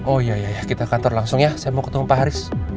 oh iya ya kita kantor langsung ya saya mau ketemu pak haris